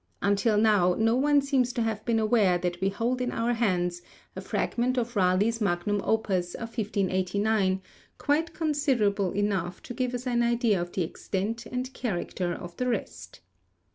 Until now, no one seems to have been aware that we hold in our hands a fragment of Raleigh's magnum opus of 1589 quite considerable enough to give us an idea of the extent and character of the rest.